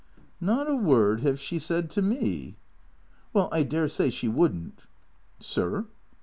" Not a word 'ave she said to me." "AVell, I dare say she wouldn't." "Sir?"